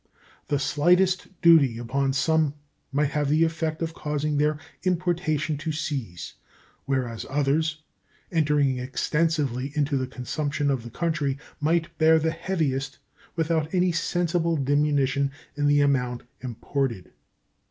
The slightest duty upon some might have the effect of causing their importation to cease, whereas others, entering extensively into the consumption of the country, might bear the heaviest without any sensible diminution in the amount imported.